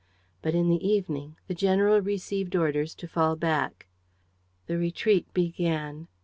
But in the evening the general received orders to fall back. The retreat began.